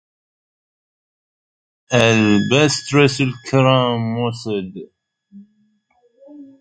من آل بسترس الكرام موسد